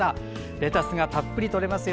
レタスがたっぷりとれますよ。